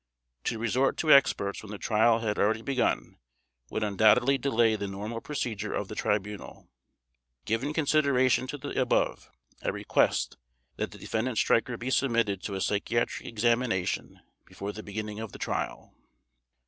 To resort to experts when the Trial had already begun, would undoubtedly delay the normal procedure of the Tribunal. Given consideration to the above, I request that the Defendant Streicher be submitted to a psychiatric examination before the beginning of the Trial.